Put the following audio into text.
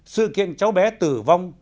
sự kiện cháu bé tử vong